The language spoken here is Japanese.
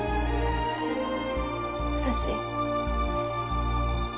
私。